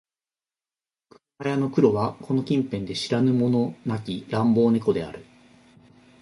車屋の黒はこの近辺で知らぬ者なき乱暴猫である